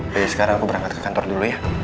kayak sekarang aku berangkat ke kantor dulu ya